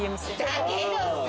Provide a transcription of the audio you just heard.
だけどさ。